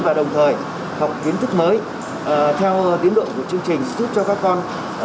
và đồng thời học kiến thức mới theo tiến độ của chương trình giúp cho các con